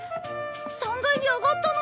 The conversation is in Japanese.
３階に上がったのに。